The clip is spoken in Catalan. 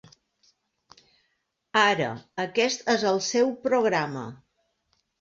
Ara, aquest és el seu programa.